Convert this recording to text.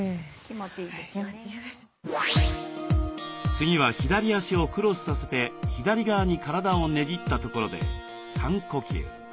次は左足をクロスさせて左側に体をねじったところで３呼吸。